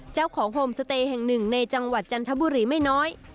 โฮมสเตย์แห่งหนึ่งในจังหวัดจันทบุรีไม่น้อย